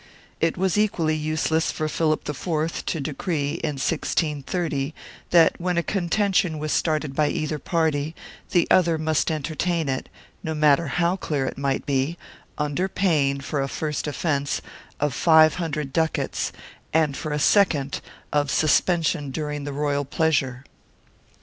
1 It was equally useless for Philip IV to decree, in 1630, that when a contention was started by either party, the other must entertain it, no matter how clear it might be, under pain, for a first offence, of five hundred ducats and, for a second, of suspension during the royal pleasure.